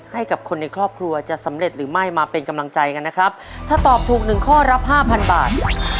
ให้กับคนในครอบครัวจะสำเร็จหรือไม่มาเป็นกำลังใจกันนะครับถ้าตอบถูกหนึ่งข้อรับห้าพันบาท